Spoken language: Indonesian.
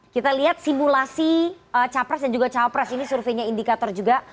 kita lihat simulasi capres dan juga cawapres ini surveinya indikator juga